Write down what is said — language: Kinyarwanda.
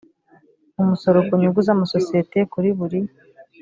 umusoro ku nyungu z amasosiyete kuri buri